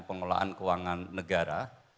pengelolaan keuangan negara